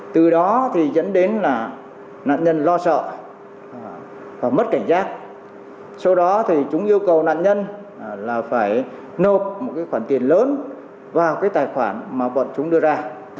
từ đó dẫn đến nạn nhân lo sợ và mất cảnh giác sau đó chúng yêu cầu nạn nhân phải nộp một khoản tiền lớn vào tài khoản mà bọn chúng đưa ra